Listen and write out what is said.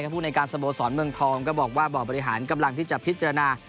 ผู้ในการสะโบสอนเมืองทองต้องได้บอกบอกว่าบ่อบริหารกำลังที่จะพิจารณา